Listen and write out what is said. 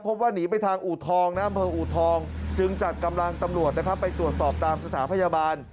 หนีไปทางอูทองนะอำเภออูทองจึงจัดกำลังตำรวจนะครับไปตรวจสอบตามสถานพยาบาล